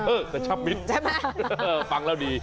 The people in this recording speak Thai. เออกระชับมิตรฟังแล้วดี